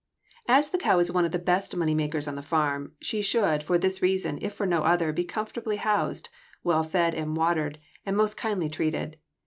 = As the cow is one of the best money makers on the farm, she should, for this reason, if for no other, be comfortably housed, well fed and watered, and most kindly treated.